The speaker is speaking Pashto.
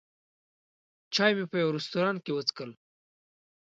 چای مې په یوه رستورانت کې وڅښل.